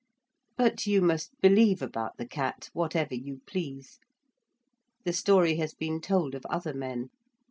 But you must believe about the cat whatever you please. The story has been told of other men.